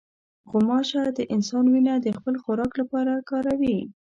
غوماشه د انسان وینه د خپل خوراک لپاره کاروي.